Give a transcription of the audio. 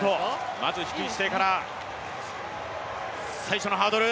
まず低い姿勢から、最初のハードル